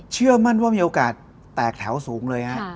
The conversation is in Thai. เชื่อมั่นว่ามีโอกาสแตกแถวสูงเลยฮะ